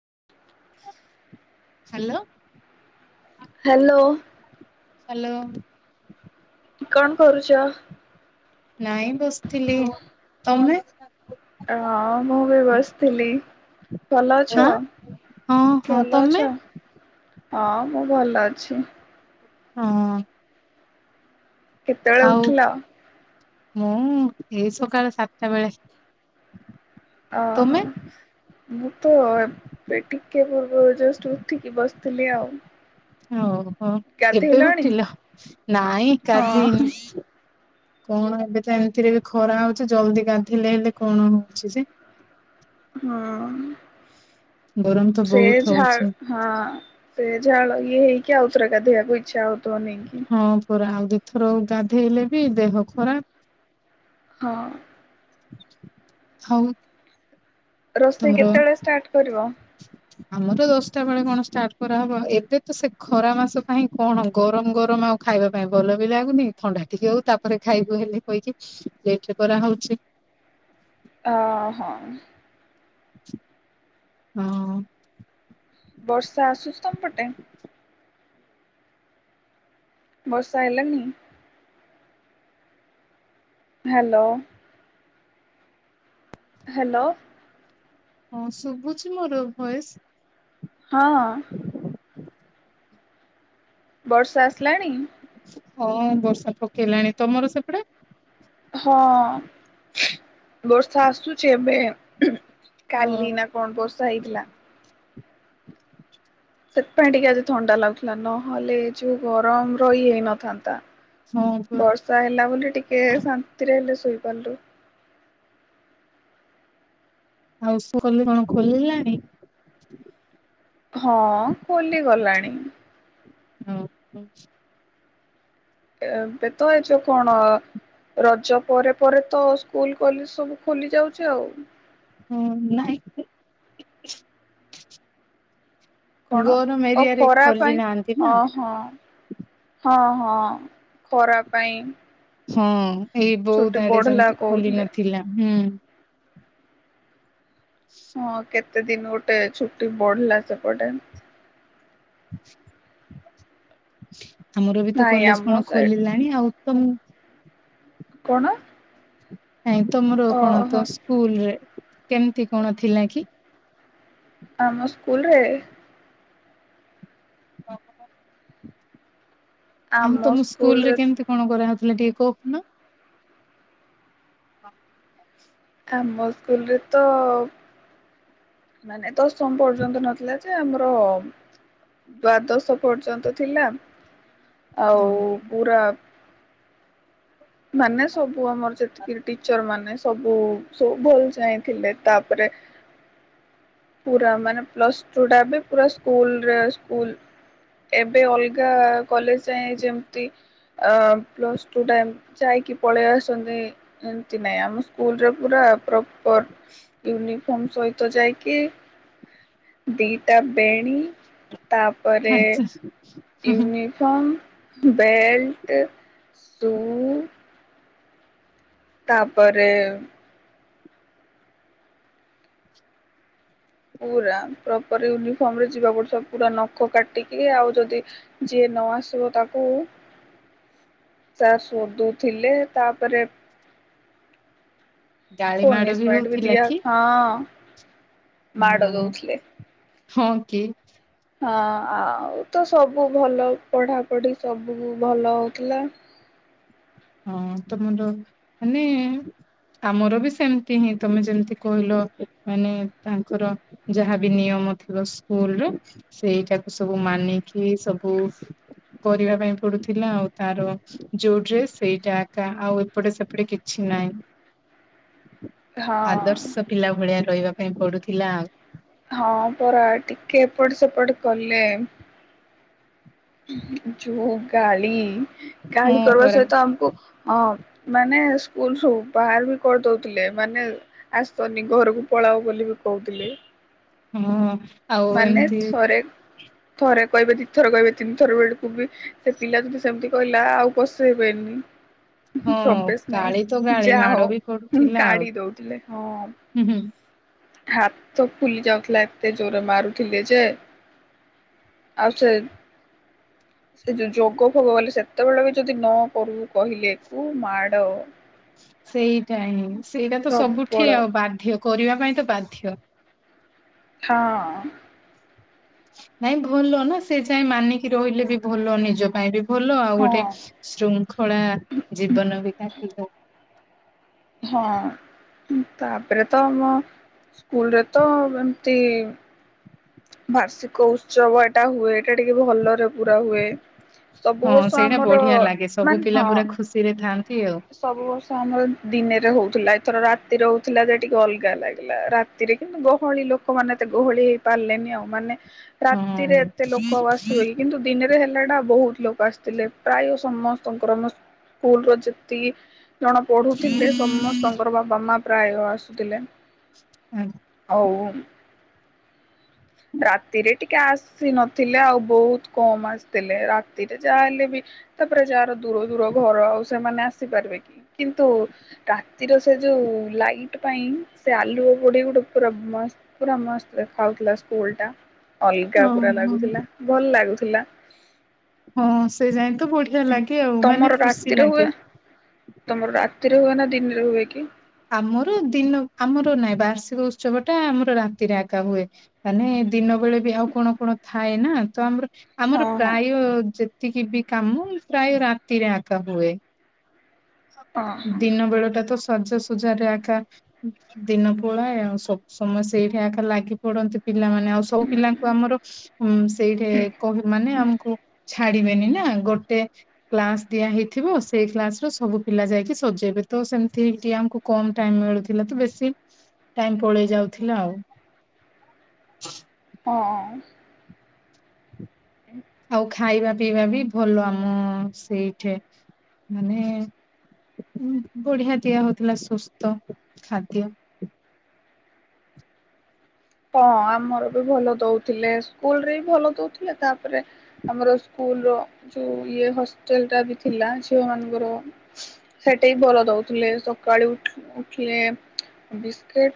[inaudible] Hello. Hello. Hello. କଣ କରୁଚ? ନାଇଁ ବସିଥିଲି, ତମେ? ହ ମୁଁ ବି ବସିଥିଲି। ଭଲ ଅଛ ହାଁ ହଁ ହଁ ଭଲ ତମେ ଅଛ? ହଁ ମୁଁ ଭଲ ଅଛି। ହଁ। କେତେବେଳେ ଆଉ ଉଠିଲ? ମୁଁ ଏଇ ସକାଳେ ସାତଟା ବେଳେ। ଓ ହୋ। ତମେ ମୁଁ ତ ଏଟିକେ ପୁର୍ବରୁ ଜଷ୍ଟ ଉଠିକି ବସିଥିଲି ଆଉ। ଓହୋ, ଏବେ ଗାଧେଇଲଣି? ଉଠିଲ ନାଇଁ ହଁ କାଲି କଣ ଏବେ ତ ଏମିତିରେ ବି ଖରା ହଉଛି ଜଲଦି ଗାଧିଲେ ହେଲେ କଣ ହଉଛି ଯେ [inaudible] ହଁ। ଗରମ ତ ସେ ବହୁତ ଝାଳ ହଉଛି। ହଁ ସେ ଝାଳ ଇଏ ହେଇ କି ଆଉ ଥରେ ଗାଧେଇକି ଇଚ୍ଛା ହଉ ହଁ ପରା, ଆଉ ଦିଇଥର ଗାଧେଇଲେ ବି ଦେହ ଖରାପ୍। ହଁ। ହଉ ରୋଷେଇ କେତେବେଳେ ଷ୍ଟାର୍ଟ କରିବ? ଆମର ଦଶଟା ବେଳେ କଣ ଷ୍ଟାର୍ଟ କରାହବ, ଏବେ ତ ସେ ଖରା ମାସ ପାଇଁ କଣ ଗରମ ଗରମ ଆଉ ଖାଇବା ପାଇଁ ଭଲ ବି ଲାଗୁନି, ଥଣ୍ଡା ଟିକେ ହଉ ତାପରେ ଖାଇବୁ ହେଲେ କହିକି ଲେଟେ କରା ହଉଛି। [inaudible] ଓ ହୋ। ହଁ। ବର୍ଷା ଆସୁଚି ତମପଟେ। ବର୍ଷା ଆଇଲାଣିି। ହାଲୋ। ହାଲୋ। ହଁ ଶୁଭୁଛି ମୋର ଭଏସ। ହଁ ହଁ। ହ [inaudible] ବର୍ଷା ଆସିଲାଣି। ହଁ ବର୍ଷା ପକେଇଲାଣି, ତମର ସେପଟେ ହଁ ବର୍ଷା ଆସୁଛି ଏବେ, ଅ କାଲି ନା କଣ ବର୍ଷା ହେଇଥିଲା ସେଥିପାଇଁ ଟିକେ ଆଜି ଥଣ୍ଡା ଲାଗୁଥିଲା, ନହେଲେ ଏ ଯଉ ଗରମ ରହି ହେଇନଥାନ୍ତା। ହଁ ପ ବର୍ଷା ହେଲା ବୋଲି ଟିକେ ଶାନ୍ତିରେ ହେଲେ ଶୋଇପାରିଲୁ। ଆଉଷ କିଲ କଣ ଖୋଲିଲାଣି। ହଁ ଖୋଲି ଗଲାଣି। ହଁ ହଁ ଏବେତ ଏଇଜଉ କଣ? ରଜ ପରେ ପରେ ତ ସ୍କୁଲ କଲେଜ ସବୁ ଖୋଲି ଯାଉଛି ଆଉ ହଁ ନାଇଁ। କଣ ଗରମ ଓ ଏରିଆରେ ଖରା ଖୋଲି ପାଇଁ ନାହାନ୍ତି ନା। ହଁ, ହଁ। ହଁ, ହଁ, ଖରା ପାଇଁ ହଁ ଏଇ ଛୁଟି ବୋଉତ ଆଡେ ବଢିଲା ଯେମିତି ଖୋଲି କହୁଥିଲେ। ନଥିଲା। [inaudible] ହଁ କେତେ ଦିନ ଗୋଟେ ଛୁଟି ବଢିଲା ସେପଟେ। [inaudible] ଆମର ବି ତ ନାଇଁ କଲେଜ ଆମ କଣ ସାଇ ଖୋଲିଲାଣି ଆଉ ତ ମୁ କଣ? ନାଇଁ ତମର କଣ ଓହୋ ତ ସ୍କୁଲ ରେ କେମିତି କଣ ଥିଲା କି? ଆମ ସ୍କୁଲ ରେ କପ [unintelligible] ଆମ ଆଉ ତମ ସ୍କୁଲ ସ୍କୁଲରେ ରେ କେମିତି କଣ କରାହଉଥିଲା ଟିକେ କପ ନ? ହଁ [inaudible] ଆମ ସ୍କୁଲ ରେ ତ, ମାନେ ତ, ଦଶମ ପର୍ଯ୍ୟନ୍ତ ନଥିଲା ଆମର ଦ୍ଵାଦଶ ପର୍ଯ୍ୟନ୍ତ ଥିଲା। ଆଉ ପୁରା। ମାନେ ସବୁ ଆମର ଯେତିକି ଟିଚର ମାନେ ସବୁୁ ସବୁ ଭଲ ଚାହିଁଥିଲେ ତାପରେ [unintelligible] ପୁରା ମାନେ ପ୍ଲସ ଟୁ ଟା ବି ପୁରା ସ୍କୁଲରେ ସ୍କୁଲ ଏବେ ଅଲଗା କଲେଜ ଯାଏ ଯେମିତି ଅ ପ୍ଲସଟୁ ଟା ଯାଇକି ପଳେଇ ଆସନ୍ତି ଏମତି ନାଇଁ ଆମ ସ୍କୁଲରେ ପୁରା ପ୍ରପର ୟୁ ୟୁନିଫର୍ମ ସହିତ ଯାଇକି ଦିଟା ବେଣୀ ତାପରେ ଆଚ୍ଛା ହୁଁ ହୁଁ ୟୁନିଫର୍ମ ବେଲ୍ଟ ସୁ ତାପରେ ପୁରା ପ୍ରପର ୟୁନିଫର୍ମରେ ଯିବା ପଡୁଥ ପୁରା ନଖ କାଟିକି ଆଉ ଯଦି ଯିଏ ନ ଆସୁ ତାକୁ ଆଃ ତା ସଧୁଥିଲେ ତାପରେ ଗାଳି ମାଡ ପନିଷମେଣ୍ଟ ବି ହଉଥିଲା ଦିଆ କି? ହଁ। ମାଡ଼ ହଁ ଦଉଥିଲେ। ହଁ କି। ହଁ ଆଉ ତ ସବୁ ଭଲ ପଢାପଢି ସବୁ ଭଲ ହଉଥିଲା। ହଁ ତମର ମାନେ ଆମର ବି ସେମିତି ହିଁ ତମେ ଯେମିତି କହିଲ ମାନେ ତାଙ୍କର ଯାହାବି ନିୟମ [unintelligible] ସ୍କୁଲର ସେଇଟାକୁ ସବୁ ମାନିକି ସବୁ ସବୁ କରିବା ପାଇଁ ପଡୁଥିଲା ଆଉ ତାର ଯୋଉ ଡ୍ରେସ୍ ସେଇଟା ଏକା ଆଉ ଏପଟେ ସେପଟେ କିଛି ନାହିଁ। ହଁ। ଆଦର୍ଶ ପିଲା ଭଳିଆ ରହିବା ପାଇଁ ପଡୁଥିଲା ଆଉ। ହଁ ପରା ଟିକେ ଏପଟ ସେପଟ କଲେ। ଯଉ ଗାଳି ଗାଳି ହଁ କରିବା ପରା ସହିତ ଆମକୁ ହଁ ମାନେ ସ୍କୁଲ ସବୁ ବାହାର ବି କରିଦଉଥିଲେ ମାନେ ଆସନି ଘରକୁ ପ ପଳା ବୋଲି ବି କହୁଥିଲେ। ହଁ। ଆଉ ମାନେ ଏମିତି ଥରେ। ଥରେ କହିବେ ଦି ଥର କହିବେ ତିନି ଥର ବେଳକୁ ବି ସେ ପିଲା ଯଦି ସେମିତି କହିଲା ଆଉ ପଶେଇ ବେନି। ହଁ ଗାଳି ତ ଗାଳି ମାଡ଼ ବି ଯାଅ ପଡୁଥିଲା ଆଉ। କାଢି ଦଉଥିଲେ ହଁ ହାତ ଫୁଲି ଯାଉଥିଲା ଏତେ ଜୋରେ ମାରୁୁଥିଲି ଯେ। ଆଉ ସେ ସେ ଯୋଉ ଯୋଗ ଭୋଗ ବୋଲି ସେତେବେଳେ ବି ଯଦି ନ କରୁ କହିଲେ କୋଉ ମାଡ ସେଇଟା ହିଁ ସେଇଟା ତ ସବୁଠି ପ୍ରବଳ ଆଉ ବାଧ୍ୟ କରିବା ପାଇଁ ତ ବାଧ୍ୟ। ହଁ। ନାଇଁ ଭଲ ନା ସେ ଯାଏ ମାନିକି ରହିଲେ ବି ଭଲ ନିଜ ପାଇଁ ବି ଭଲ ଆଉ ହଁ ଗୋଟେ ଶୃଙ୍ଖଳା ଜୀବନ ବିିକା ହଁ। ତାପରେ ତ ଆମ ସ୍କୁଲରେ ତ ଏମିତି ବାର୍ଷିକ ଉତ୍ସବ ଏଟା ହୁଏ ଏଇଟା ଟିକେ ଭଲ। ପୁରା ହୁଏ ସବୁ ହଁ ବର୍ଷ ସେଇଟା ଆମର ବଢିଆ ଲାଗେ ସବୁ ମାନେ ପିଲା ହଁ। ପୁରା ଖୁସିରେ ଥାଆନ୍ତି ଆଉ ସବୁ ବର୍ଷ ଆମର ଦିନେ ରହୁଥିଲା। ଏଥର ରାତି ରହୁଥିଲା ଯେ ଟିକେ ଅଲଗା ଲାଗିଲା ରାତିରେ କିନ୍ତୁ ଗହଳି ଲୋକମାନେ ତ ଗହଳି ପାରିଲେନି ଆଉ ମାନେ ହଁ ରାତିରେ ଏତେ ଲୋକ ଆସିବେକି କିନ୍ତୁ ଦିନରେ ହେଲା ଟା ବହୁତ ଲୋକ ଆସିଥିଲେ ପ୍ରାୟ ସମସ୍ତେ। ସମଙ୍କର ଆମ ସ୍କୁଲର ଯେତିକି ଜଣ ପଢୁଥିଲେ ସମସ୍ତଙ୍କର ବାପା ମା ପ୍ରାୟ ଆସୁଥିଲେ। ହଁ। ହଉ। ରାତିରେ। ଟିକେ ଆସି ନଥିଲେ ଆଉ ବହୁତ କମ ଆସିଥିଲେ ରାତିରେ ଯାହା ହେଲେ ବି ତାପରେ ଯାହାର ଦୂର ଦୂର ଘର ଆଉ ସେମାନେ ଆସିପାରିବେ କି କିନ୍ତୁ ରାତିର ସେ ଯୋଉ ଲାଇଟ୍ ପାଇଁ ସେ ଆଲୁଅ ପୋଡି ଗୋଟେ ପୁର ମ ପୁରା ମସ୍ତ ଖାଉଥିଲା ସ୍କୁଲ ଟା ଅଲଗା ପୁରା ଓହୋ ଲାଗୁଥିଲା ଭଲ ଲାଗୁଥିଲା। ହଁ ସେ ଯାଇଏ ତ ବଢିଆ ଲାଗେ ଆଉ ତମର ମାନେ ଖୁସି ରାତିରେ ହୁଏ ଲାଗେ। ତମର ରାତିରେ ହୁଏ ନା ଦିନରେ ହୁଏ କି? ଆମର ଦିନ ଆମର ନାଇଁ ବାର୍ଷିକ ଉତ୍ସବ ଟା ଆମର ରାତିରେ ଆଗା ହୁଏ। ମାନେ ଦିନ ସବବେଳେ ବି ଆଉ କଣ କଣ ଥାଏ ନା ତ ଆମର ହଁ ଆମର ହଁ ପ୍ରାୟ ଯେତିକି ବି କାମ ପ୍ରାୟ ରାତିରେ ଆଗା ହୁଏ। ହଁ ଦିନ ବେଳଟା ତ ସ ସଜାସଜାରେ ଆକା ଦିନ ପଳାଏ ଆଉ ସବୁ ସମୟ ସେଇଠି ଆକା ଲାଗି ପଡନ୍ତି। ପିଲାମାନୋନେ ଆଉ ସବୁ ପିଲାଙ୍କୁ ଆମର ସେଇଠି କ ମାନେ ଆମକୁ ଛାଡିବେନି ନା ଗୋଟେ କ୍ଲାସ ଦିଆ ହେଇଥିବ ସେଇ କ୍ଲାସ ର ସ ସବୁ ପିଲା ଯାଇକି ସଜେଇବେ ତ ସେମିତି ଟଏ ଆମକୁ କମ ଟାଇମ ମିଳୁଥିଲା ତ ବେଶୀ ଟାଇମ ପଳେଇ ଯାଉଥିଲା ଆଉ। ହଁ। ଆଉ ଖାଇବା ପିଇବା ବି ଭଲ ଆମ ସେଇଠି ମାନେ ବଢିଆ ଦିଆ ହଉଥିଲା ସୁସ୍ଥ ଖାଦ୍ୟ। ହଁ ଆମର ବି ଭଲ ଦଉଥିଲେ ସ୍କୁଲ ରେ ବି ଭଲ ଦଉଥିଲେ ତାପରେ ଆମର ସ୍କୁ ଲ ର ଯୋଉ ଇଏ ହଷ୍ଟେଲ ଟା ବି ଥିଲା ଝିଅ ମାନଙ୍କର ସେଠେ ବି ଭଲ ଦଉ ଉଥିଲେ ସକାଳେ ଉଠିଲେ ବିସ୍କିଟ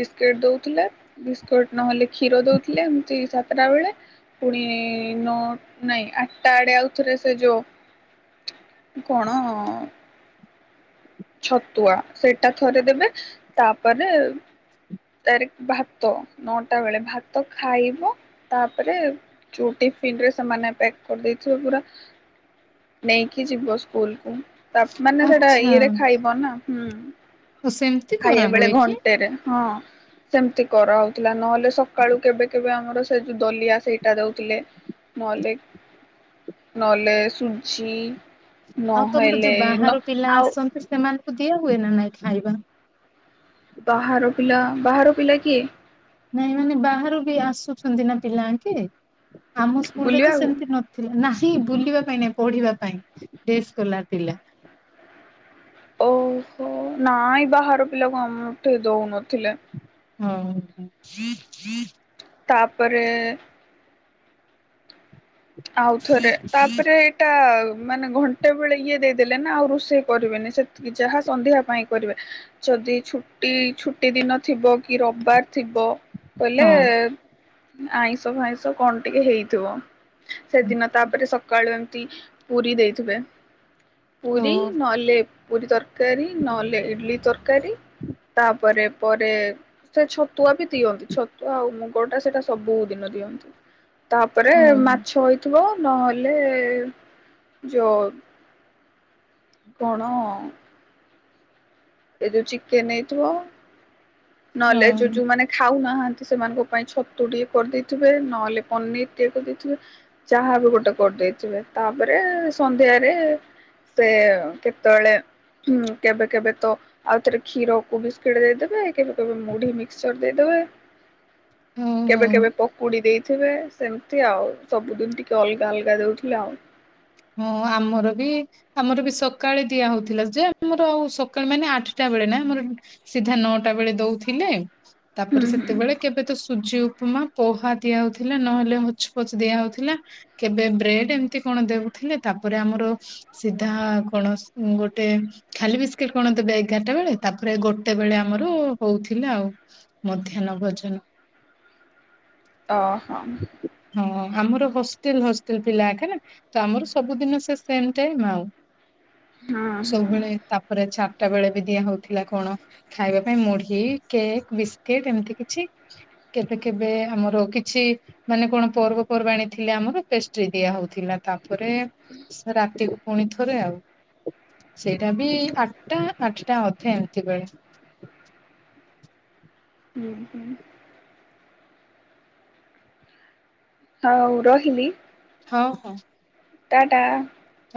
ବିସ୍କିଟ ଦଉଥିଲେ। ବିସ୍କୁଟ ନହେଲେ କ୍ଷୀର ଦଉଥିଲେ, ଏମିତି ସାତଟା ବେଳେ ପୁଣି ନ ନାଇଁ ଆଟା ଆଡ଼େ ଆଉଥରେ ସେ ଯୋଉ କଣ? ଛତୁଆ ସେଇଟା ଥରେଦେବେ ତାପରେ ତାରିଖ ଭାତ ନଅଟା ବେଳେ ଭାତ ଖାଇବ ତାପରେ ଚୁଟି ରେ ସେ ପ୍ୟାକ୍ କରିଦେଇଥିବ ପୁରା ନେଇକି ଯିବ ସ୍କୁଲ କୁ। ତାପ ମାନ ନା ସେଇଟା ଆଚ୍ଛା ଇଏ ରଖ ହୁଁ ଆଉ ସେମିତି ଖାଇବା ବେଳେ କରାହୁଏ କି ଘଣ୍ଟେରେ ହଁ। ସେମତି କରାହେଉଥିଲା ନହେଲେ ସକାଳୁ କେବେ କେବେ ସେ ଯୋଉ ଦଲିଆ ସେଇଟା ଦଉଥିଲେ। ନହେଲେ ନଲେ ସୁଜି। ଆଉ ତମର ନହେଲେ ଯୋଉ ନ ବାହାର ପିଲା ଆଉ ଆସଛନ୍ତି ସେମାନେ ଦିଆ ହୁଏ ନା ନାଇଁ ଖାଇବା? ବାହାର ପିଲା ବାହାର ପିଲା କିଏ? ନାଇଁ ମାନେ ବାହାରୁ ବି ଆସୁଛନ୍ତି ନା ପିଲା ଅଙ୍କେ। ଆମ ସ୍କୁଲ ରେ ତ ବୁଲିବାକୁ ସେମତି ନଥିଲା ନା। ବୁଲିବା ପାଇଁ ନାଇ ପଢିବା ପାଇଁ ସ୍ କଲା ଥିଲା। ଓହୋ ନାଇଁ ବାହାର ପିଲାକୁ ଆମଠେ ଦଉନଥିଲେ। ହଁ। [inaudible] ତାପରେ ଆଉଥରେ ତାପରେ ଏଇଟା ମାନେ ଘଣ୍ଟେ ବେଳେ ଇଏ ଦେଇଦେଲେ ନା ଆଉ ରୋଷେଇ କରିବେନି ସେତିକି ଯାହା ସନ୍ଧ୍ୟା ପାଇଁ କରିବେ। ଯଦି ଛୁଟି ଛୁଟି ଦିନ ଥିବ କି ରବିବାର ଥିବ କହିଲେ ହଁ ଆଇଁଷ ଫାଇଁଷ କଣ ଟିକେ ହେଇଥିବ। ସେଦିନ ତାପରେ ସକାଳୁ ଏମତି ପୁରୀ ଦେଇଥିବେ ହଁ ପୁରୀ ନହଲେ ପୁରୀ ତରକାରୀ ନହଲେ ଇଡଲି ତର ତାପରେ ପରେ ସେ ଛତୁଆ ବି ଦିଅନ୍ତି। ଛତୁଆ ଆଉ ମୁଁ ଟା ସେଇଟା ସବୁ ଦିନ ଦିଅନ୍ତି ତାପରେ ହଁ ମା କହିଥିବ ନହେଲେ ଯୋଉ କଣ? ଏ ଯୋଉ ଚିକେନ ହେଇଥିବ ନହେଲେ ଯୋଉ ଯୋଉ ମାନେ ଖାଉନାହାନ୍ତି ସେମାନଙ୍କ ପାଇଁ ଛତୁ ଟିକେ କରିଦେଇଥିବେ ନହେଲେ ପନିର ଟେ କରିଦେଇଥିବେ ଯାହା ବି ଗୋଟେ କ ଦେଇଥିବେ ତାପରେ ସନ୍ଧ୍ୟାରେ ସେ କେତେବେଳେ ହୁଁ କେବେ କେବେ ତ ଆଉ ଥରେ କ୍ଷୀରକୁ ବିସ୍କେଟ ଦେଇଦବେ କେବେ କେବେ ମୁଢି ମିକ୍ସଚର ଦେଇଦବେ ହଁ ହଁ କେବେ କେବେ ପକୁଡି ଦେଇ ଥିବେ ସେମିତି ଆଉ ସବୁଦିନ ଟିକେ ଅଲଗା ଅଲଗା ଦଉଥିଲେ ଆଉ। ହଁ ଆମର ବି ଆମର ବି ସକାଳେ ଦିଆ ହଉଥିଲା ଯେ ଆମର ଆଉ ସକାଳେ ମାନେ ଆଠଟା ବେଳେ ନା ଆମର ସିଧା ନଅଟା ବେଳେ ଦଉଥିଲେ ତାପରେ ହୁଁ ହୁଁ ସେତେବେଳେ କେବେ ତ ସୁଜି ଉପମା ପୋହା ଦିଆହଉଥିଲା ନହେଲେ ହଛ ପୋଚ ଦିଆ ହଉଥିଲା କେବେ ବ୍ରେଡ ଏମିତି କଣ ଦେବ ଥିଲେ ତାପରେ ଆମର ସିଧା କଣ ଗୋଟେ ଖାଲି ବିସ୍କେଟ କଣ ଦେବେ ଏଗାରଟା ବେଳେ ତାପରେ ଗୋଟେ ବେଳେ ଆମର ହଉଥିଲା ଆଉ ମଧ୍ୟାହ୍ନ ଭୋଜନ। ଓ ହୋ। ହଁ ଆମର ହଷ୍ଟେଲ ହଷ୍ଟେଲ ପିଲା ଆକା ନା ତ ଆମର ସବୁଦିନ ସେ ସେମ୍ ଟାଇମ୍ ଆଉ। ହଁ ହଁ ସବୁବେଳେ ତାପରେ ଛା ଟା ବେଳେ ବି ଦିଆ ହଉଥିଲା କଣ ଖାଇବା ପାଇଁ ମୁଢି କେକ୍ ବିସ୍କୁିଟ ଏମିତି କିଛି। କେବେ କେବେ ଆମର କିଛି ମାନେ କଣ ପର୍ବପର୍ବାଣି ଥିଲେ ଆମର ପେଷ୍ଟ୍ରି ଦିଆ ହଉଥିଲା। ତା ପରେ ସେ ରାତି ପୁଣି ଥରେ ଆଉ ସେଇଟା ବି ଆଠଟା ଆଠଟା ଅଧେ ଏମିତି ବେଳେ [inaudible] ହୁଁ ହୁଁ। ହଉ ରହିଲି। ହଉ ହଉ। ଟା ଟା।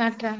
ଟା ଟା।